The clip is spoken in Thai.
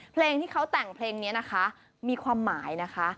เพลงที่เขาแต่งเพลงนี้นะคะมีความหมายนะคะ